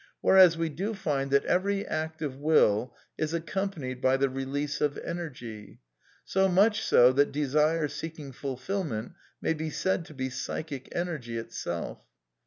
Whereas we do find that every act of will is accompanied by the release of energy ; so much so that desire seeking fulfilment may be said to be psychic energy itself.